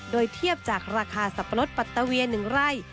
โดยเทียบจากราคาสับปะรดปัตตะเวีย๑ไร่